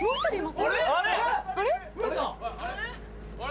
あれ？